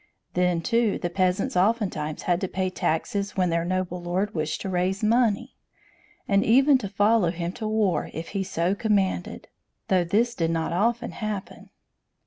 Then, too, the peasants oftentimes had to pay taxes when their noble lord wished to raise money, and even to follow him to war if he so commanded, though this did not often happen.